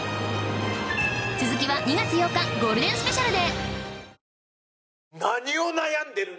続きは２月８日ゴールデンスペシャルで